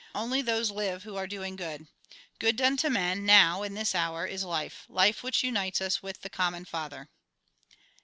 Only those live who are doing good. Good done to men, now, in this hour, is life, life which unites us with the common Father.